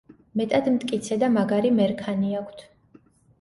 მეტად მტკიცე და მაგარი მერქანი აქვთ.